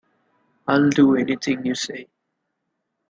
I'll do anything you say.